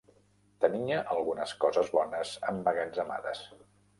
Tenia algunes coses bones emmagatzemades.